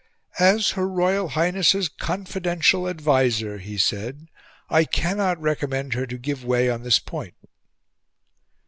"As her Royal Highness's CONFIDENTIAL ADVISER," he said, "I cannot recommend her to give way on this point."